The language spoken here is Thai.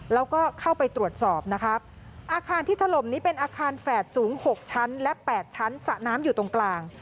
แล้วก็เข้าไปตรวจสอบนะครับอาคารที่ถล่มนี้เป็นอาคารแฝดสูง๖ชั้นและ๘ชั้นสระน้ำอยู่ตรงกลาง